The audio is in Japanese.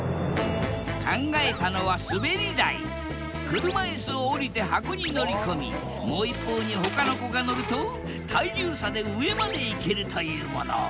車いすを降りて箱に乗り込みもう一方にほかの子が乗ると体重差で上まで行けるというもの。